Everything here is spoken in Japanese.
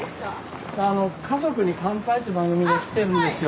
あの「家族に乾杯」っていう番組で来てるんですよ。